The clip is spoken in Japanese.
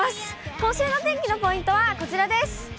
今週の天気のポイントはこちらです。